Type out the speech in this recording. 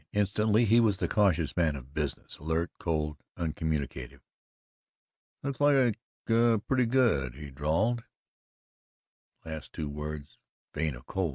Instantly he was the cautious man of business, alert, cold, uncommunicative. "That looks like a pretty good " he drawled the last two words "vein of coal.